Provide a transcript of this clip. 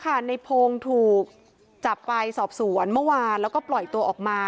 ในพงศ์ถูกจับไปสอบสวนเมื่อวานแล้วก็ปล่อยตัวออกมา